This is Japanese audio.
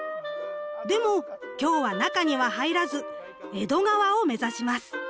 でも今日は中には入らず江戸川を目指します。